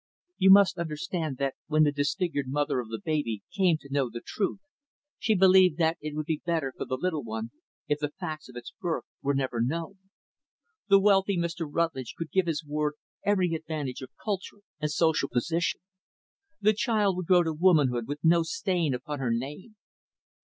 You must understand that when the disfigured mother of the baby came to know the truth, she believed that it would be better for the little one if the facts of its birth were never known. The wealthy Mr. Rutlidge could give his ward every advantage of culture and social position. The child would grow to womanhood with no stain upon her name.